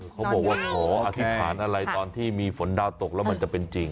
เขาบอกว่าขออธิษฐานอะไรตอนที่มีฝนดาวตกแล้วมันจะเป็นจริง